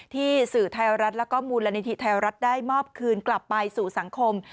สื่อไทยรัฐแล้วก็มูลนิธิไทยรัฐได้มอบคืนกลับไปสู่สังคม